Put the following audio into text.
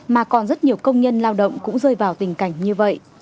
mà còn rất nhiều công nhân lao động cũng rơi vào tình cảnh như vậy